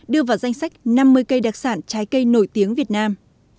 đưa vào danh sách năm mươi cây đặc sản trái cây nổi tiếng việt nam